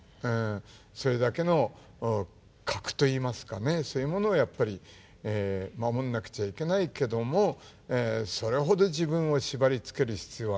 それだけの格といいますかねそういうものをやっぱり守んなくちゃいけないけどもそれほど自分を縛りつける必要はないんだと。